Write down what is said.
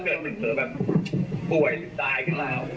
สุดท้ายแล้วมันขนิดเกิน